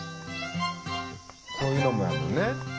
こういうのもやもんね。